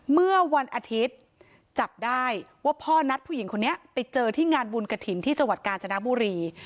เมื่อวันอาทิตย์จับได้ว่าพ่อนัดผู้หญิงคนนี้ไปเจอที่งานบุญกระถิ่นที่จังหวัดกาญจนบุรี